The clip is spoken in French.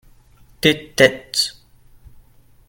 tes têtes.